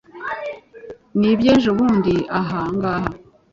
ni iby'ejobundi aha ngaha